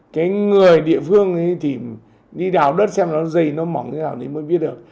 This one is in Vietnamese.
cái người địa phương thì đi đào đất xem nó dày nó mỏng thế nào thì mới biết được